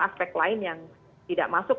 aspek lain yang tidak masuk